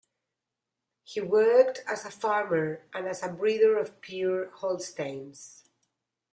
He worked as a farmer, and as a breeder of pure Holsteins.